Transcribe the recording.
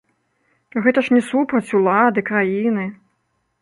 Гэта ж не супраць улады, краіны.